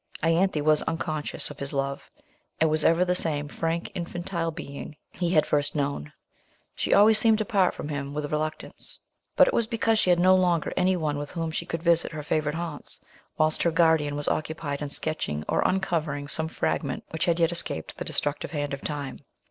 Ianthe was unconscious of his love, and was ever the same frank infantile being he had first known. She always seemed to part from him with reluctance; but it was because she had no longer any one with whom she could visit her favourite haunts, whilst her guardian was occupied in sketching or uncovering some fragment which had yet escaped the destructive hand of time.